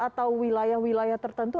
atau wilayah wilayah tertentu